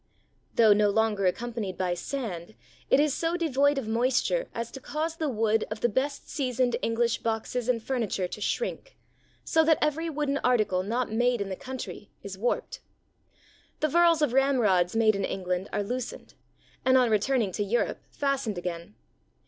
Though no longer accompa nied by sand, it is so devoid of moisture as to cause the wood of the best seasoned English boxes and furniture to shrink, so that every wooden article not made in the country is warped. The verls of ramrods made in Eng land are loosened, and on returning to Europe fastened again.